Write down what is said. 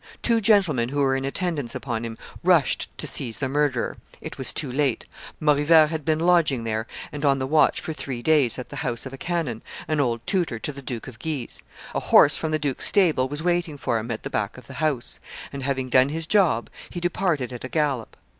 Two gentlemen who were in attendance upon him rushed to seize the murderer; it was too late; Maurevert had been lodging there and on the watch for three days at the house of a canon, an old tutor to the Duke of Guise; a horse from the duke's stable was waiting for him at the back of the house; and, having done his job, he departed at a gallop.